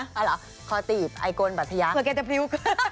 อ่าเหรอขอตีบไอโกนบัตรยักษ์เผื่อแกจะพิ้ว